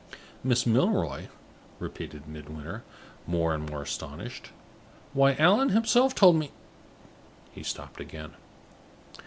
"Miss Milroy?" repeated Midwinter, more and more astonished. "Why, Allan himself told me " He stopped again.